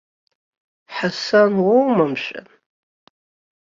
Ҳасан уоума, мшәан?